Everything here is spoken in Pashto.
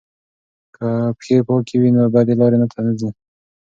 که پښې پاکې وي نو بدې لارې ته نه ځي.